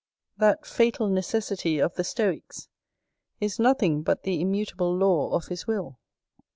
That fatal necessity of the stoicks is nothing but the immutable law of his will.